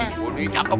oh ini cakep